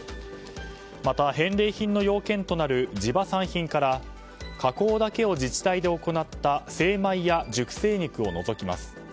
また、返礼品の要件となる地場産品から加工だけを自治体で行った精米や熟成肉を除きます。